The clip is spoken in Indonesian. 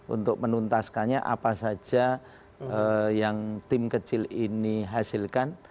untuk menuntaskannya apa saja yang tim kecil ini hasilkan